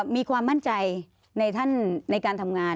มีความมั่นใจในท่านในการทำงาน